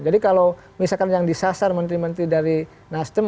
jadi kalau misalkan yang disasar menteri menteri dari nasdem